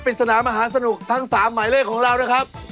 สนามหาสนุกทั้ง๓หมายเลขของเรานะครับ